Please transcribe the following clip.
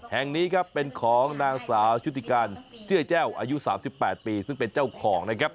แห่งนี้ครับเป็นของนางสาวชุติการเจื้อยแจ้วอายุ๓๘ปีซึ่งเป็นเจ้าของนะครับ